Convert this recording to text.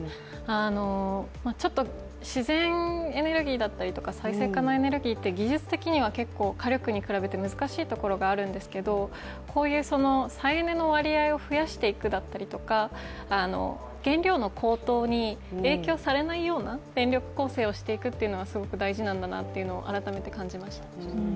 ちょっと自然エネルギーだったり再生可能エネルギーって技術的には結構火力に比べて難しいところがあるんですけどね、こういう再エネの割合を増やしていくだったりとか原料の高騰に影響されないような電力構成をしていくっていうのがすごく大事なんだなというのを改めて感じました。